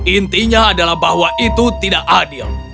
intinya adalah bahwa itu tidak adil